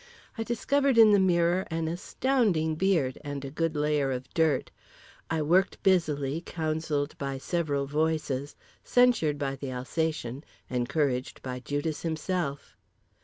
I discovered in the mirror an astounding beard and a good layer of dirt. I worked busily, counselled by several voices, censured by the Alsatian, encouraged by Judas himself.